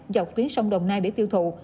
dọc tuyến sông đồng nai để tiêu thụ